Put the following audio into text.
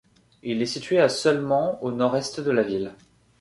Il est situé à seulement au nord-est de la ville.